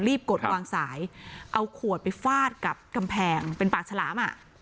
กดวางสายเอาขวดไปฟาดกับกำแพงเป็นปากฉลามอ่ะ